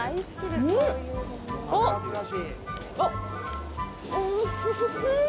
あっ、おいしい。